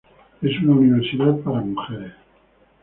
Es una universidad para mujeres.